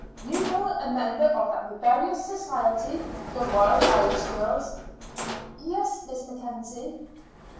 You were a member of that rebellious society, the Wild Irish Girls?" "Yes, Miss Mackenzie."